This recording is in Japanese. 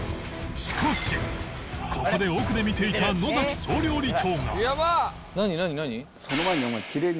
しかしここで奥で見ていた野総料理長が